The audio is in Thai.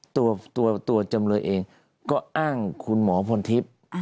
ตัวตัวตัวจำเลยเองก็อ้างคุณหมอพลทิศอ่า